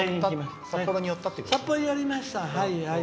札幌によりました。